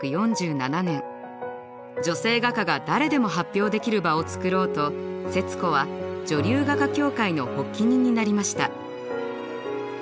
女性画家が誰でも発表できる場を作ろうと節子は女流画家協会の発起人になりました。